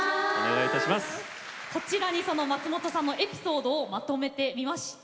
こちらに、その松本さんのエピソードをまとめました。